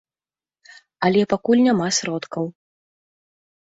Але пакуль няма сродкаў.